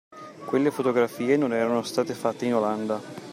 Quelle fotografie non erano state fatte in Olanda